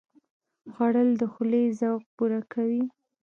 خوړل د خولې ذوق پوره کوي